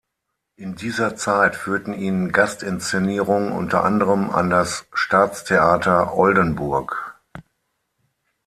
In dieser Zeit führten ihn Gastinszenierungen unter anderem an das Staatstheater Oldenburg.